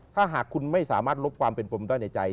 ถ้าหากคุณไม่สามารถลบความเป็นปมได้ในใจ